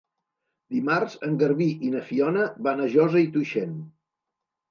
Dimarts en Garbí i na Fiona van a Josa i Tuixén.